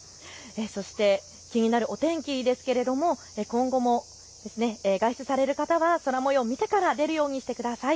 そして気になるお天気ですけれど今後も外出される方は空もようを見てから出るようにしてください。